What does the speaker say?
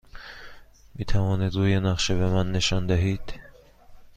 می توانید روی نقشه به من نشان دهید؟